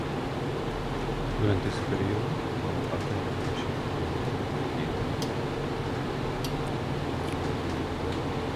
Durante este período formó parte de la comisión permanente de Policía Interior.